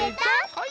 はい。